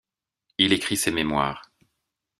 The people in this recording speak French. Il écrit ses mémoires.